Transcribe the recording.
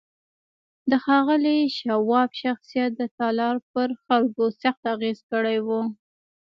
د ښاغلي شواب شخصيت د تالار پر خلکو سخت اغېز کړی و.